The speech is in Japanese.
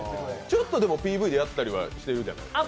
ちょっとＰＶでやったりはしてるじゃないですか。